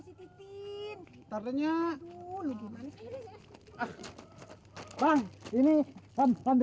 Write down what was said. sih titiknya tadinya dulu gimana sih